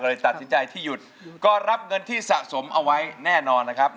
ตัดสินใจที่หยุดก็รับเงินที่สะสมเอาไว้แน่นอนนะครับ